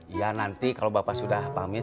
iya nanti kalau bapak sudah pamit